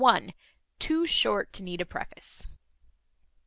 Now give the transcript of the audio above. Too short to need a preface.